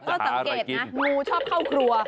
คณธรรมเกตงูชอบเข้าครัว